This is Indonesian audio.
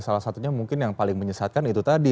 salah satunya mungkin yang paling menyesatkan itu tadi